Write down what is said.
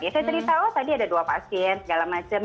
saya cerita oh tadi ada dua pasien segala macam